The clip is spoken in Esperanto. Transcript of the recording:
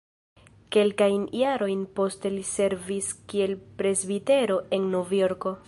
Kelkajn jarojn poste li servis kiel presbitero en Novjorko.